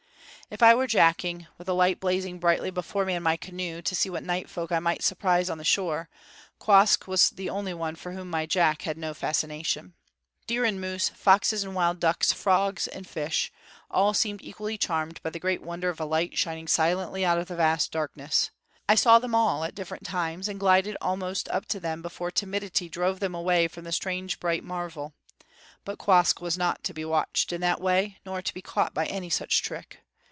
If I were jacking, with a light blazing brightly before me in my canoe, to see what night folk I might surprise on the shore, Quoskh was the only one for whom my jack had no fascination. Deer and moose, foxes and wild ducks, frogs and fish, all seemed equally charmed by the great wonder of a light shining silently out of the vast darkness. I saw them all, at different times, and glided almost up to them before timidity drove them away from the strange bright marvel. But Quoskh was not to be watched in that way, nor to be caught by any such trick.